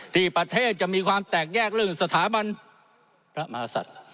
ที่ประเทศจะมีความแตกแยกเรื่องสถาบันพระมหาศัตริย์